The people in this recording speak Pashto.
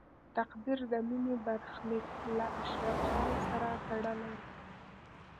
تقدیر د مینې برخلیک له اشرف خان سره تړلی و